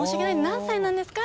何歳なんですか？